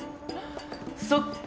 そっか。